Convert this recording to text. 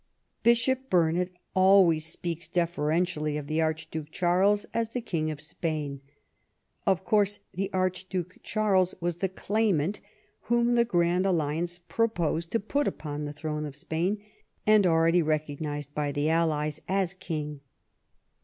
Bishop Burnet always speaks deferentially of the Arch duke Charles as the King of Spain. Of course the Archduke Charles was the claimant whom the Grand Alliance proposed to put upon the throne of Spain, and already recognized by the allies as king.